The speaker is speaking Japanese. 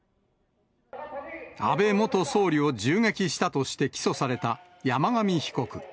安倍元総理を銃撃したとして起訴された山上被告。